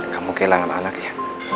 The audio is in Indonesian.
kamu kehilangan anak ya